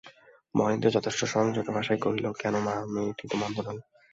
মহেন্দ্র যথেষ্ট সংযত ভাষায় কহিল, কেন মা, মেয়েটি তো মন্দ নয়।